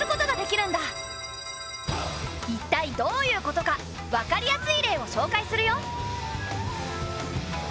一体どういうことか分かりやすい例を紹介するよ。